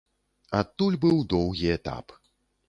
Адтуль быў доўгі этап.